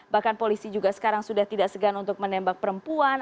bahkan polisi juga sekarang sudah tidak segan untuk menembak perempuan